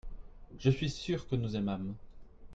je suis sûr que nous aimâmes.